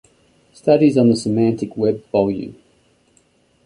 Studies on the Semantic Web Vol.